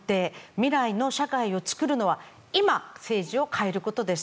未来の社会を作るのは今、政治を変えることです。